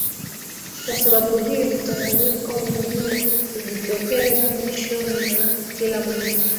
Kwa sababu hio mchanganyiko mwingine hujitokeza mwishoni mwa kila mwezi